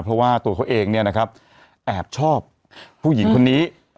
เพราะว่าตัวเขาเองเนี่ยนะครับแอบชอบผู้หญิงคนนี้